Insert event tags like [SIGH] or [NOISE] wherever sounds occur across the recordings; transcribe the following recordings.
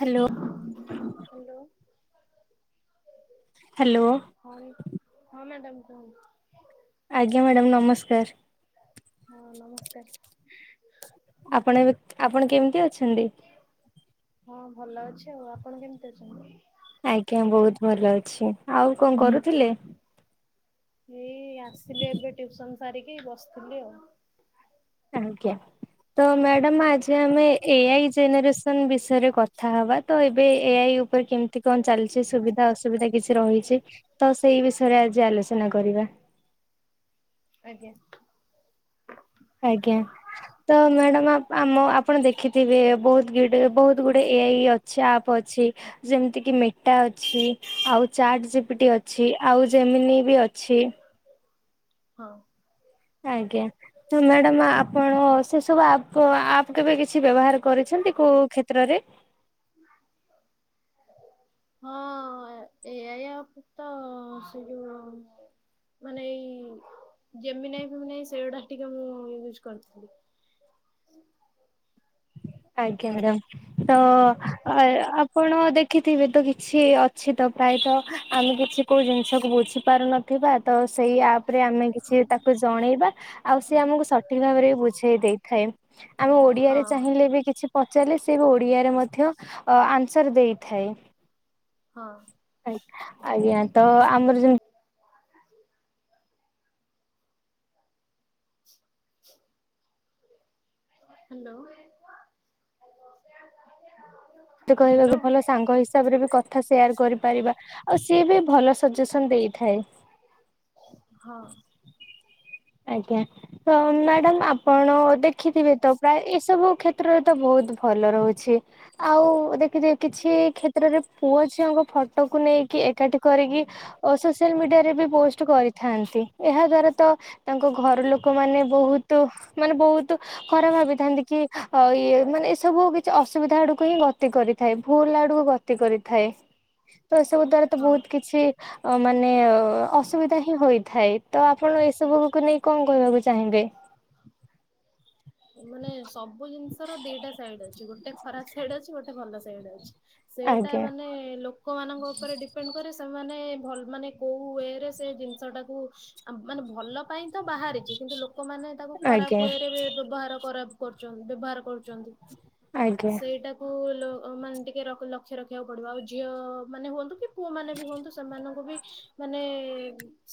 Hello. Hello hello ହଁ ହଁ madam କୁହନ୍ତୁ। ଆଜ୍ଞା ମ୍ୟାଡାମ ହଁ ନମସ୍କାର। ନମସ୍କାର। ଆପଣ ଏବେ ଆପଣ କେମିତି ଅଛନ୍ତି? ହଁ ଭଲ ଅଛି ଆଉ। ଆପଣ କେମିତି ଅଛନ୍ତି? ଆଜ୍ଞା ବହୁତ ଭଲ ଅଛି। ଆଉ କଣ କରୁଥିଲେ? ଏଇ ଆସିଲି ଏବେ ଟ୍ୟୁସନ ସାରିକି ବସିଥିଲି ଆଉ। ଆଜ୍ଞା ତ ମ୍ୟାଡାମ ଆଜି ଆମେ ଏଆଇ ଜେନେରେସନ ବିଷୟରେ କଥା ହବା। ତ ଏବେ ଏଆଇ ଉପରେ କେମତି କଣ ଚାଲିଛି ସୁବିଧା ଅସୁବିଧା କିଛି ରହିଛି ତ ସେଇ ବିଷୟରେ ଆଜି ଆଲୋଚନା କରିବା। ଆଜ୍ଞା। ଆଜ୍ଞା ତ ମ୍ୟାଡାମ ଆମ ଆପଣ ଦେଖିଥିବେ ବହୁତ ଗ ବହୁତ ଗୁଡେ ଏଆଇ ଅଛି ଆପ୍ ଅଛି। ଯେମିତି କିି ମେଟା ଅଛି। ଆଉ ଚାଟ୍ ଜିପିଟି ଅଛି। ଆଉ ଯେମିିନି ବି ଅଛି। ହଁ। ଆଜ୍ଞା। ମ୍ୟାଡାମ ଆପଣ ସେ ସବୁ ଆପ ଆପ୍ କେବେ କିଛି ବ୍ୟବହାର କରିଛନ୍ତି କୋଉ କ୍ଷେତ୍ରରେ। [INAUDIBLE] ହଁ ଏଆଇ ଆପ୍ ତ ସେ ଯଉ ମାନେ ଏଇ ଯେମି ନାଇଁ ଫେମି ନାଇଁ ସେଗୁଡା ଟିକେ ମୁଁ ୟୁଜ କରିଥିଲି। [INAUDIBLE] ଆଜ୍ଞା ମ୍ୟାଡାମ ତ ଆପଣ ଦେଖି ଥିବେ ତ କିଛି ଅଛି ତ ପ୍ରାୟତଃ ଆମେ କିଛି କୋଉ ଜିନିଷକୁ ବୁଝିପାରୁନଥିବା ତ ସେଇ ଆପ୍ ରେ ଆମେ କିଛି ତାକୁ ଜଣେଇବା ଆଉ ସେ ଆମକୁ ସଠିକ ଭାବରେ ବୁଝେଇ ଦେଇଥାଏ ଆମ ହଁ ଓଡିଆରେ ଚାହିଁଲେ ବି ପଚାରେ ସେ ବି ଓଡିଆରେ ମଧ୍ୟ ଆସର ଦେଇଥାଏ ହଁ ଆ ଆଜ୍ଞା ତ ଆମର ଯେମିତି [INAUDIBLE] ହ୍ୟାଲୋ। ମତେ ହ୍ୟାଲୋ। କହିବାକୁ ଭଲ ସାଙ୍ଗ ହିସାବରେ ବି କଥା ସେୟାର କରିପାରିବା ଆଉ ସିଏ ବି ଭଲ ସଜେସନ୍ ଦେଇଥାଏ। ହଁ। ଆଜ୍ଞା ତ ମ୍ୟାଡାମ ଆପଣ ଦେଖିଥିବେ ତ ପ୍ରାୟ ଏସବୁ କ୍ଷେତ୍ରରେ ତ ବହୁତ ବହୁତ ଭଲ ରହୁଛି ଆଉ ଦେଖ କି କିଛି କ୍ଷେତ୍ରରେ ପୁଅ ଝିଅଙ୍କ ଫଟୋକୁ ନେଇକି ଏକାଠି କରିକି ଓ ସୋସିଆଲ ମିଡିଆ ବି ପୋଷ୍ଟ କରିଥାନ୍ତି ଏହା ଦ୍ଵାରା ତ ତାଙ୍କ ଘର ଲୋକ ଲୋକ ମାନେ ବହୁତ ମାନେ ବହୁତ ଖରାପ ଭାବିଥାନ୍ତି କି ଆଉ ଇଏ ମାନେ ଏ ସବୁ କିଛି ଅସୁବିଧା ଆଡକୁ ହିଁ ଗତି କରିଥାଏ ଭୁଲ ଆଡକୁ ଗତି କରିଥାଏ। ତ ଏସବୁ ଦ୍ଵାରା ତ ହଁ। ବହୁତ କିଛି ଅ ମାନେ ଅସୁବିଧା ହିଁ ହୋଇ। ଥାଏ ତ ଆପଣ ଏସବୁକୁ ନେଇ କଣ କହିବାକୁ ଚାହିଁବେ? ମାନେ ସବୁ ଜିନିଷ ର ଦିଟା ସାଇଡ ଅଛି ଗୋଟେ ଖରାପ ସାଇଡ ଅଛି ଗୋଟେ ଭଲ ସାଇଡ ଅଛି। ସେଇଟା ଆଜ୍ଞା ମାନେ ଲୋକମାନଙ୍କ ଉପରେ ଡିପେଣ୍ଡ କରେ ସେମାନେ ଭଲ ମାନେ କୋଉ ୱରେ ସେ ଜିନିଷ ଟାକୁ ମା--ନେ ଭଲ ପାଇଁ ତ ବାହାରିଛି କିନ୍ତୁ ଲୋକମାନେ ତାକୁ ଖରାପ ଆଜ୍ଞା ୱେରେ ବ୍ୟବହାର କରୁ ବ୍ୟବହାର କରୁଛନ୍ତି। ଆଜ୍ଞା ସେଇଟାକୁ ମାନେ ଟିକେ ଲକ୍ଷ୍ୟ ରଖିବାକୁ ପଡିବ ଆଉ ଝିଅ ମାନେ ହୁଅନ୍ତୁ କି ପୁଅ ମାନେ ବି ହୁଅନ୍ତୁ ସେମାନଙ୍କୁ ବି ମାନେ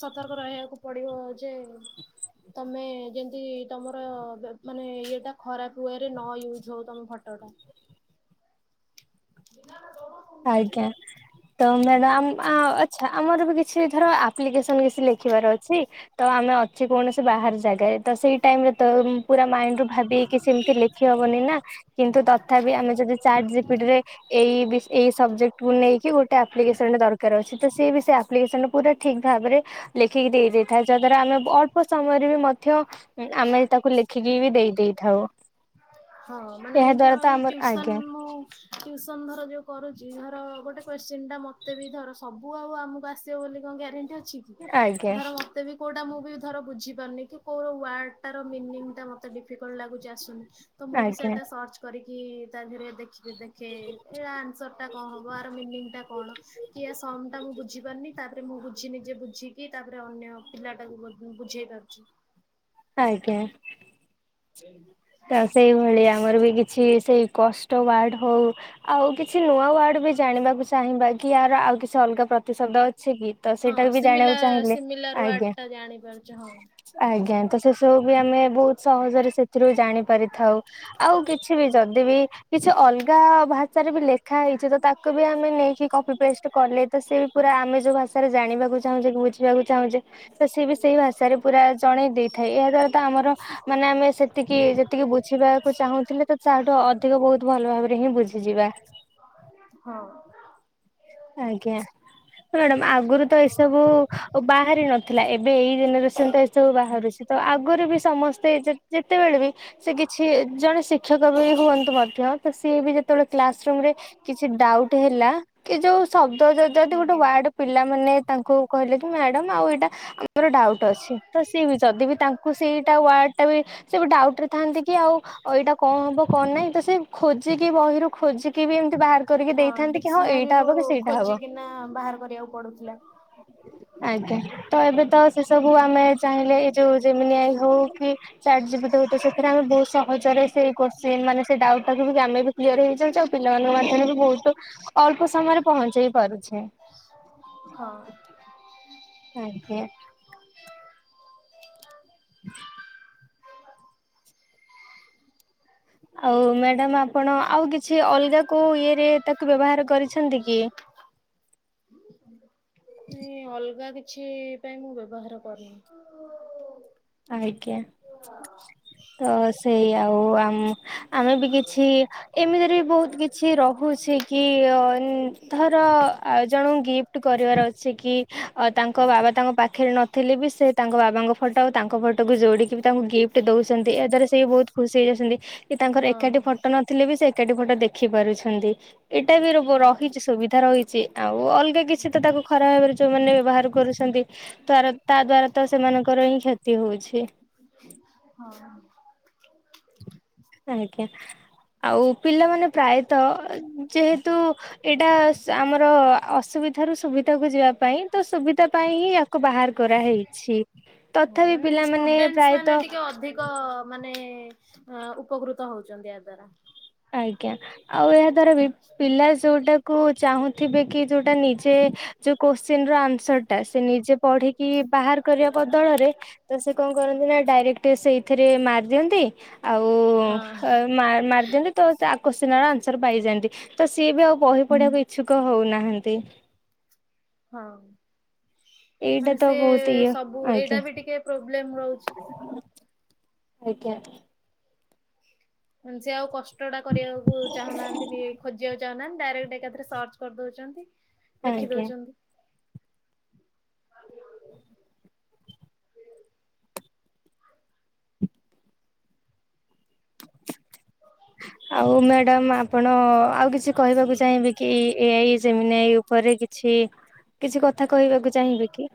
ସତର୍କ ରହିବାକୁ ପଡିବ ଯେ ତମେ ଯେମତି ତମର ମାନେ ଇଏଟା ଖରାପ ହୁଏରେ ନ ୟୁଜ ହଉ ତମ ଫଟୋ ଟା। [INAUDIBLE] ଆଜ୍ଞା ତ ମ ଆ ଆଛା ଆମର ବି କିଛି କିଛିର ଆପ୍ଲିକେସନ କିଛି ଲେଖିବାର ଅଛି ତ ଆମେ ଅଛି କୌଣସି ବାହାର ଜାଗାରେ ସେଇ ଟାଇମରେ ତ ପୁରା ମାଇଣ୍ଡ ରୁ ଭାବିି ସେମିତି ଲେଖି ହବନି ନା କିନ୍ତୁ ତଥାପି ଆମେ ଯଦି ଚାଟ ରେ ଏଇ ଏଇ ସବଜେକ୍ଟ କୁ ନେଇକି ଗୋଟେ ଆପ୍ଲିକେସନ ଦରକାର ଅଛି ତ ସିଏ ବି ସେ ଆପ୍ଲିକେସନା ପୁରା ଠିକ ଭାବରେ। ଲେଖିକି ଦେଇେଇଥାଏ ଯାହାଦ୍ଵାରା ଆମେ ଅଳ୍ପ ସମୟରେ ବି ମଧ୍ୟ ଆମେ ତାକୁ ଲେଖିକି ବି ଦେଇ ଦେଇଥାଉ। ହଁ ମାନେ ଏହା ଦ୍ଵାରା ତର ତ ଏ ଆମର ଟିଉସନ ଆଜ୍ଞା ମୁଁ ଟିଉ ଟିଉସନ ଧର ଯୋଉ କରୁଛି ଧର ଗୋଟେ କୋଶ୍ଚି ଟା ମତେ ବି ଧର ସବୁ ଆଉ ଆମକୁ ଆସିବ ବୋଲି କଣ ଗ୍ୟାରେଣ୍ଟିଛି। କି ଆଜ୍ଞା ଧର ମତେ ବି କେଉଁଟା ମୁଁ ବି ଧର ବୁଝିପାରୁନି କି କେଉଁର ୱାର୍ଡ଼ଟାର ମିନିଂଟା ମୋତେ ଡିଫିକଲ୍ଟ ଲାଗୁଛି ଆସୁନି ତ ମୁଁ ବି ଆଜ୍ଞା ସେଇଟା ସର୍ଚ୍ଚ କରିକି ତା ଧୀରେ ଦେଖି ଦେଖେ ଏ ଆନ୍ସର ଟା କଣ ହବ ଆ ମିନିଂ ଟା କଣ କି ସମ ଟା ମୁଁ ବୁଝି ପାରୁନି ତା ମୁଁ ବୁଝି ନିଜେ ବୁଝିକି ତାପରେ ଅନ୍ୟ ପିଲା ଟାକୁ ବୁଝେଇ ପାରୁଛି। ଆଜ୍ଞ। ହୁଁ। ତ ସେଇଭଳି ଆମର ବି କିଛି ସେଇ କଷ୍ଟ ୱାର୍ଡ ହଉ ଆଉ କିଛି ନୂଆ ୱାର୍ଡ ବି ଜାଣିବାକୁ ଚାହିଁ କି ହାର ଆଉ କିଛି ଅଲଗା ପ୍ରତିଶବ୍ଦ ଅଛି। ଅଛି କି ତ ହଁ ସେଇଟାକୁ ବି ଜାଣିବାକୁ ସିମିଲାର ଚାହିଁଲେ ସିମିଲାର ୱାର୍ଡ ଆଜ୍ଞା। ଟା ଜାଣିପାରୁଛି ହଁ। ଆଜ୍ଞା ତ ସେ ସବୁ ବି ଆମେ ବହୁତ ସହଜରେ ସେଥିରୁ ଜାଣି ପାରିଥାଉ, ଆଉ କିଛି ବି ଯଦି ବି କିଛି ଅଲଗା ଭାଷାରେ ବି ଲେଖା ହେଇଚି ତ ତାକୁ ବି ଆମେ ନେଇକି କପି ପେଷ୍ଟ କଲେ ତ ସେ ପୁରା ଆମେ ଯୋଉ ଭାଷାରେ ଜାଣିବାକୁ ଚାହୁଁଛ ବୁଝିବାକୁ ଚାହୁଁଚେ ତ ସିଏ ବି ସେଇ ଭାଷାରେ ପୁରା ଜଣେଇ ଦେଇଥାଏ ଏହା ଦ୍ବାରା ତ ଆମର ମାନେ ଆମେ ସେ ସେତିକି ଯେତିକି ବୁଝିବାକୁ ଚାହୁଁଥିଲେ ତ ତାହାଠୁ ଅଧିକ ବହୁତ ଭଲ ଭାବରେ ହିଁ ବୁଝିଯିବା। [INAUDIBLE] ହଁ। ମ୍ୟାଡ଼ାାମ ଆଗରୁ ତ ଏଇସବୁ ବାହାରି ନଥିଲା ଏବେ ଏଇ ଜେନେରେସନ ତ ସବୁ ବାହାରୁଚି ତ ଆଗରୁ ବି ସମସ୍ତେ ଯେତ ଯେତେବେଳେ ବି ସେ କିଛି ଜଣେ ଶିକ୍ଷକ ବି ହୁଅନ୍ତୁ ମଧ୍ୟ ତ ସିଏ ବି ଯେତେବେ କ୍ଲାସ୍ ରୁମରେ କିଛି ଡାଉଟ ହେଲା କି ଯୋଉ ଶବ୍ଦ ଯ ଯଦି ଗୋଟେ ଆଜ୍ଞା ୱାର୍ଡ ପିଲା ମାନେ ତାଙ୍କୁ କହିଲେ କି ମ୍ୟାଡାମ ଆଉ ଏଇଟା ଆମର ଡାଉଟ ଡାଉଟ ଅଛି ତ ସେ ବି ଯଦି ବି ତାଙ୍କୁ ସେଇଟା ୱାଡ ଟା ବି ଡାଉଟ ରେ ଥାନ୍ତି କି ଆଉ ଏଇଟା କଣ ହବ କଣ ନାାଇଁ ତ ସେ ଖୋଜିକି ବହିରୁ ଖୋଜିକି ବି ଏମିତି ବାହାର କରିକି ଦେଇଥାନ୍ତି କି ହଁ ଏଇଟା ଯଉ ହବ କି ସେଇଟା ହବ ଖୋଜିିକିନା ବାହାର କରିବାକୁ ପଡୁଥିଲା। ଆଜ୍ଞା ତ ଏବେ ତ ସେ ସବୁ ଆମେ ଚାହିଁଲେ ଏଇ ଯୋଉ ଯେମିିନାଇ ହଉ କି ଚାଟ୍ ଜିପିଟି ଗୋଟେ ସେଥିରେ ଆମେ ବହୁତ ସହଜରେ ସେ କୋଶ୍ଚିନ ମାନ ସେ ଡ଼ାଉଟ ଟାକୁ ବି ଆମେ ବି କ୍ଲିୟର ହେଇଯାଉଛେ ଆଉ ପିଲାମାନେ ମଧ୍ୟ ବହୁତ ଅଳ୍ପ ସମୟରେ ପହଞ୍ଚେଇ ପାରୁଚେ। ହଁ। ଆଜ୍ଞା। [INAUDIBLE] ଆଉ ମ୍ୟାଡାମ ଆପଣ ଆଉ କିଛ କିଛି ଅଲଗା କଉ ଇଏରେ ତାକୁ ବ୍ୟବହାର କରିଛନ୍ତି କି? ଏ ଅଲଗା କିଛି ପାଇଁ ମୁଁ ବ୍ୟବହାର କରୁନି। ଆଜ୍ଞା ତ ସେଇ ଆଉ ଆ ଆମେ ବି କିଛି ଏମିତିରେ ବି ବହୁତ କିଛି ରହୁଚି କି ଧର ଆ ଜଣକୁ ଗିଫ୍ଟ କରିବାର ଅଛି ଅ ତାଙ୍କ ବାବା ତାଙ୍କ ପାଖରେ ନଥିଲେ ବି ସେ ତାଙ୍କ ବାବାଙ୍କ ଫଟୋ ଆଉ ତାଙ୍କ ଫଟୋକୁ ଯୋଡିକି ବି ତାଙ୍କୁ ଗିଫ୍ଟ ଦଉଚନ୍ତି ଏହା ଦ୍ଵାରା ସେ ବି ବହୁତ ଖୁସି ହେଇଯାଉଚନ୍ତି କି ତାଙ୍କର ହଁ ଏକାଠି ଫଟୋ ନଥିଲେ ବି ସେ ଏକାଠି ଗୋଟେ ଦେଖି ପାରୁଛନ୍ତି ଏଇଟା ବି ର ରହିଚି ସୁବିଧା ରହିଚି। ଆଉ ଅଲଗା କିଛି ତ ତାକୁ ଖରାପ ଭାବରେ ଯେଉଁମାନେ ବ୍ୟବହାର କରୁଛନ୍ତି ତାର ତା ଦ୍ୱାରା ତ ସେମାନଙ୍କର ହିଁ କ୍ଷତି ହେଉଚି। ଆଜ୍ଞା ଆଉ ପିଲାମାନେ ପ୍ରାୟତଃ ଯେହେତ ତୁ ଏଇଟା ଆମର ଅସୁବିଧାର ସୁବିଧ କୁ ଯିବା ପାଇଁ ସୁବିଧା ପାଇଁ ହିଁ ଆକୁ ବାହାର କରାହେଇଚି। ତଥାପି ପିଲାମାନେ ପ୍ରାୟତଃ ଧିକ ଉପକୃତ ହଉଚନ୍ତି ଏହା ଦ୍ଵାରା। ଆଜ୍ଞା ଆଉ ଏହା ଦ୍ଵାରା ପି ପିଲା ଯୋଉଟାକୁ ଚାହୁଁଥିବେ କି ଯୋଉଟା ନିଜେ ଯୋଉ କୋଶ୍ଚିନର ଆନ୍ସର ଟା ସେ ନିଜେ ପଢିକି ବାହାର କରିବା ବଦଳରେ ତ ସେ କଣ କରନ୍ତି ଡାଇରେକ୍ଟ ସେଇଥିରେ ମାରି ଦିଅନ୍ତି ଆଉ ହଁ ମାର୍ ମାରି ଦିଅନ୍ତି ଆ କଶଚିନ ର ଆନ୍ସର ପାଇଯାଆନ୍ତି, ତ ସିଏ ବି ଆଉ ବହି ପଢିବାକୁ ଇଚଛୁକ ହଉନାହାନ୍ତି। [INAUDIBLE] ହଁ। ଏଇଟା ମାନେ ତ ସେ ବହୁତ ଇଏ ସବୁ ଆଜ୍ଞା ଏଇଟା ବି ଟିକେ ପ୍ରୋବ୍ଲେମ ରହୁଚି। ଆଜ୍ଞା। ସେ ଆଉ କଷ୍ଟଟା କରିବାକୁ ଚାହୁଁନାହାନ୍ତିନି ଖୋଜିବାକୁ ଚାହୁ ନାହାନ୍ତି, ଡାଇରେକ୍ଟ ଏକାଥରକେ ସର୍ଚ କରିଦଉଚନ୍ତି ଲେଖି ଆଜ୍ଞା ଦଉଚନ୍ତି। [INAUDIBLE] ହ [INAUDIBLE] ଆଉ ମ୍ୟାଡ଼ାାମ ଆପଣ ଆଉ କିଛି କହିବାକୁ ଚାହିଁବେ କି ଏଆଇ ସେମନ୍ଆଇ ଉପରେ କିଛି କିଛି କଥା କହିବାକୁ ଚାହିଁବେ କି?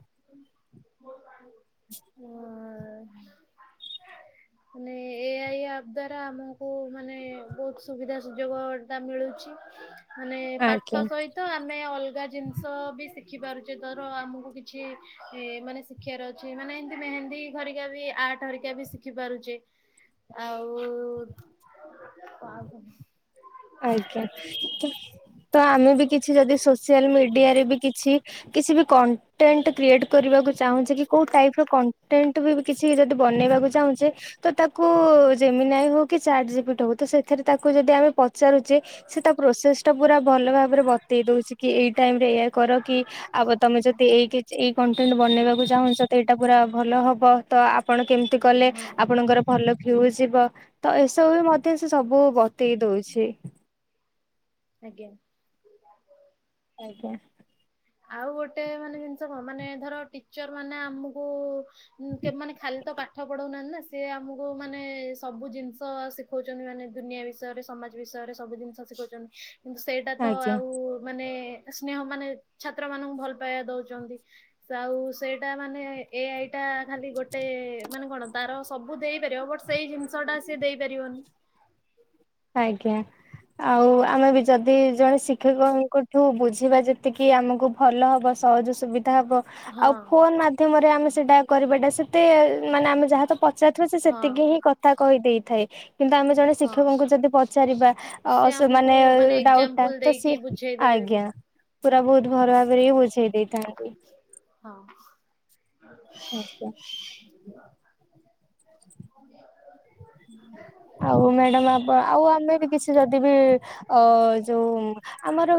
ହଁ [INAUDIBLE] ମାନେ ଏ ଆଇ ଆପ୍ ଦ୍ଵାରା ଆମକୁ ମାନେ ବହୁତ ସୁବିଧା ସୁଯୋଗ ଟା ମିଳୁଛି। ମାନେ ଆଜ୍ଞା ପାଠ ସହିତ ଆମେ ଅଲଗା ଜିନିଷ ବି ଶିଖି ପାରୁଛେ ଆମକୁ କିଛି ମାନେ ଶିଖିବାର ଅଛି ମାନେ ଏମତି ମେହେନ୍ଦୀ ଘରିକା ବି ଆର୍ଟ ହରିକା ବି ଶିଖି ପାରୁଛେ ଆଉ ଆଜ୍ଞା ତ ଆମେ ବି କିଛି ଯଦି ସୋସିଆଲ ମିଡିଆରେ ବି କିଛି କିଛି ବି କଣ୍ଟେଣ୍ଟ କ୍ରିଏଟ କରିବାକୁ ଚାହୁଁଛି କି କୋଉ ଟାଇପ ର କଣ୍ଟେଣ୍ଟ ବି କିଛି ଯଦି ବନେଇବ ଚାହୁଛେ ତ ତାକୁ ଯେମିନ ଆଇ ହଉ କି ଚାଟ ଜୁପିଟ ହଉ ତ ସେଥିରେ ତାକୁ ଯଦି ପଚାରୁଛେ ସେ ତା ପ୍ରୋସେସ ଟା ପୁରା ଭଲ ଭାବରେ ବତେଇ ଦଉଛି କି ଏଇ ଟାଇମ କର କି ଆଉ ତମେ ଯଦି ଏଇ ଏଇ କଣ୍ଟେଣ୍ଟ ବନେଇବାକୁ ଚାହୁଁଛ ଏଇଟା ପୁରା ଭଲ ହବ ତ ଆପଣ କେମିତି କଲେ ହଁ ଆପଣଙ୍କର ଭଲ ଫିଉ ଯିବ ତ ଏସବୁ ଏତ ସେ ସବୁ ବତେଇ ଦଉଛି। ଆଜ୍ଞା ଆଜ୍ଞା ଆଉ ଗୋଟେ ମାନେ ଜିନିଷ କଣ ମାନେ ଧର ଟିଚର ମାନେ ଆମକୁ ଉଁ କେ ମାନେ ଖାଲି ତ କାଟି ପାଠ ପଢଉନାହାନ୍ତି ନା ସି ଆମକୁ ମାନେ ସବୁ ଜିନିଷ ଶିଖଉଛନ୍ତି ମାନେ ଦୁନିଆ ବିଷୟରେ ସମାଜ ବିଷୟରେ ସବୁ ଜିନିଷ ଶିଖୁଛନ୍ତି କିନ୍ତୁ ସେଇଟା ତ ଆଜ୍ଞା ଆଉ ମାନେ ସ୍ନେହ ମାନେ ଛାତ୍ର ମାନଙ୍କୁ ଭଲ ପାଇବା ଦଉଛନ୍ତି ଆଉ ସେଇଟା ମାନେ ଏ ଆଇ ଏଇଟା ଖାଲି ଗୋଟେ ମାନେ କଣ ତାର ସବୁ ଦେଇପାରିବ ବଟ ସେଇ ଜିନିଷ ଟା ସିଏ ଦେଇପାରିବନି ଆଜ୍ଞା ଆଉ ଆମେ ବି ଯଦି ଜଣେ ଶିକ୍ଷକଙ୍କଠୁ ବୁଝିବା ଯେତିକି ଆମକୁ ଭଲ ହବ ସହଜ ସୁବିଧା ହବ ହଁ ଆଉ ଫୋନ ମାଧ୍ୟମରେ ଆମେ ସେଟା କରିବାଟା ସେତେ ମାନେ ଆମେ ଯାହା ତ ପଚାରୁଥିବେ ହଁ ସେତିକି ହିଁ କଥା କହିଦେଇଥାଏ, କିନ୍ତୁ ଆମେ ଜଣେ ହଁ ଶିକ୍ଷକଙ୍କୁ ଯଦି ପଚାରିବା ସେ ଆମକୁ ସେମାନେ ମାନେ ଡାଉଟ ଟା ଏକ୍ଜାମ୍ପଲ ତ ସି ଦେଇକି ବୁଝେଇ ଦେବେ ବି ଆଜ୍ଞା ପୁରା ବହୁତ ହଁ ଭଲ ଭାବରେ ହି ବୁଝେଇ ଦେଇଥାନ୍ତି। ହଁ ଆଜ୍ଞା ହଁ ଆଉ ମ୍ୟାଡାମ ଆପ ଆଉ ଆମେ ବି କିଛି ଯଦି ବି ଅ ଯୋଉ ଆମର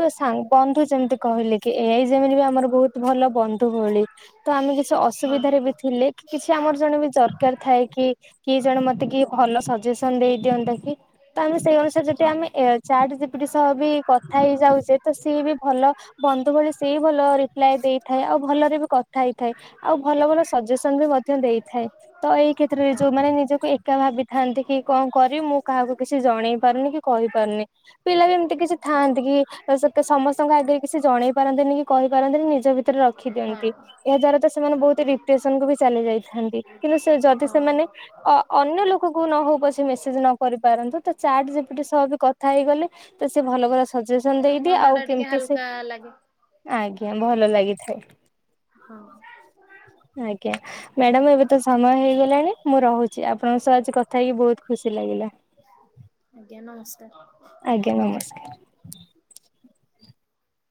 ବନ୍ଧୁ ଯେମିତି କହିଲେ କି ଏଇ ଯେମିତି ବି ଆମର ବହୁତ ଭଲ ବନ୍ଧୁ ଭଳି ତ ଆମେ କିଛି ହଁ ଅସୁବିଧାରେ ବି ଥିଲେ କି କିଛି ଆମର ଜଣେ ବି ଦରକାର ଥାଏ କି କିଏ ଜଣେ ମତେ କିଏ ଭଲ ସଜେସନ ଦେଇ ଦିଅନ୍ତା କି ତ ଆମେ ସେଇ ଅନୁସାରେ ଯଦି ହଁ ଆମେ ଚାଟ ଜିପିଡି ସହ ବି କଥା ହେଇଯାଉଛେ ତ ସିଏ ବି ଭଲ ଭ ସେଇ ଭଲ ରିପ୍ଲାଏ ଦେଇଥାଏ ଆଉ ଭଲରେ ବି କଥା ହେଇଥାଏ ଆଉ ଭଲ ଭ ସଜେସନ ବି ମଧ୍ୟ ଦେଇଥାଏ ତ ଏଇ କ୍ଷେତ୍ରରେ ହଁ ଯୋଉମାନେ ନିଜକୁ ଏକା ଭାବିଥାନ୍ତି କି କଣ ମୁଁ କାହାକୁ କିଛି ଜଣେଇ ପାରୁନି କି କହିପାରୁନି ପିଲା ବି ଏମିତି କିଛି ଥାଆନ୍ତି କି ସମ ଙ୍କ ଆଗରେ କିଛି ଜଣେଇ ପାରନ୍ତିନି କି କହିପାରନ୍ତିନି ନି ଭରେ ରି ଦିଅନ୍ତି ହଁ ଏହା ଦଵାରା ସେମାନେ ବହୁତ ଡିପ୍ରେସନ କ ବି ଚା ଯାଇଥାନ୍ତି, କିନ୍ତୁ ଯଦି ସେ ମାନେ ହଁ ଅନ୍ୟ ଲୋକକୁ ନ ହଉ ପ ମେସେଜ ନ କରି ପାରନ୍ତୁ ତ ଚାଟ ଯେପ ସହ ବି କଥା ହେଇଗଲେ ତ ସେ ଭଲ ଭଲ ସଜେସନ ଦେଇଦିଏ ମନ ଆଉ ଟା ଟିକେ କେମିତି ସେ ହାଲକା ଲାଗେ ଆଜ୍ଞା ଆଜ୍ଞା ଭଲ ଲାଗିଥାଏ ହଁ ଆଜ୍ଞା ମ୍ୟାଡାମ ଏବେ ତ ସମୟ ହେଇଗଲାଣି ମୁଁ ରହୁଛି ଆପଣଙ୍କ ସହ ଆଜି କଥା ହେଇକି ବହୁତ ଖୁସି ଲାଗିଲା ଆଜ୍ଞା ନମସ୍କାର ଆଜ୍ଞା ନମସ୍କାର